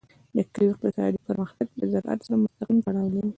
د کلیو اقتصادي پرمختګ له زراعت سره مستقیم تړاو لري.